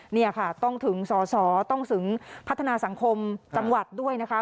นี่ค่ะต้องถึงสอสอต้องถึงพัฒนาสังคมจังหวัดด้วยนะคะ